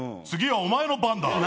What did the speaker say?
次はお前の番だ。